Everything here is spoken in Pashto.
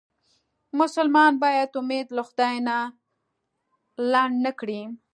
مسلمان باید امید له خدای نه لنډ نه کړي.